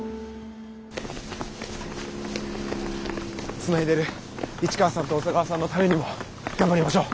つないでる市川さんと小佐川さんのためにも頑張りましょう！